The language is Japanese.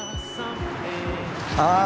ああ